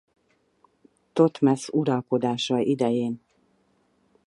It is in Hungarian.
Thotmesz uralkodása idején.